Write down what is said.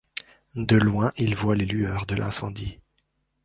De loin il voit les lueurs de l'incendie.